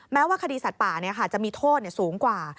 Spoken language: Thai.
แม้ว่าคดีสัตว์ป่าจะมีโทษสูงกว่า